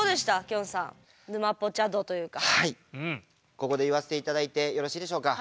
ここで言わせて頂いてよろしいでしょうか？